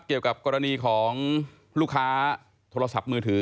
เกี่ยวกับกรณีของลูกค้าโทรศัพท์มือถือ